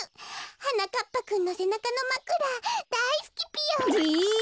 はなかっぱくんのせなかのまくらだいすきぴよ。え！